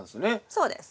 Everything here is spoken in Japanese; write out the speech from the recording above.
そうです。